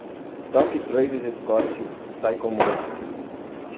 Toque Travis Scott Sicko Mode.